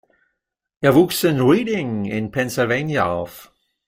Er wuchs in Reading in Pennsylvania auf.